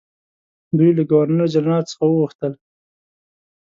دوی له ګورنرجنرال څخه وغوښتل.